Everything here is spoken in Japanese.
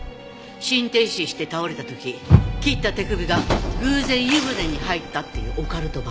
心停止して倒れた時切った手首が偶然湯船に入ったっていうオカルト話。